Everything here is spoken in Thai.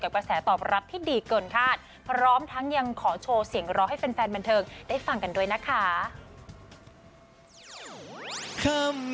กระแสตอบรับที่ดีเกินคาดพร้อมทั้งยังขอโชว์เสียงร้องให้แฟนบันเทิงได้ฟังกันด้วยนะคะ